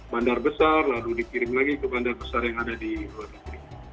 bandar besar lalu dikirim lagi ke bandar besar yang ada di luar negeri